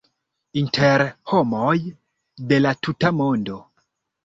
Inter homoj de la tuta mondo